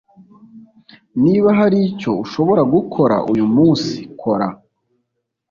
niba hari icyo ushobora gukora uyu munsi, kora.